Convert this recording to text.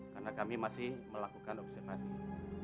karena kami masih melakukan observasi